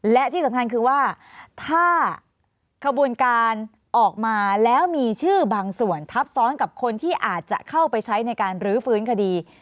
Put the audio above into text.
และที่สำคัญคือว่าถ้าขบวนการออกมาแล้วมีชื่อบางส่วนทับซ้อนกับคนที่อาจจะเข้าไปใช้ในการรื้อฟื้นคดี